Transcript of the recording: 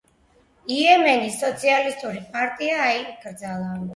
იემენის სოციალისტური პარტია აიკრძალა.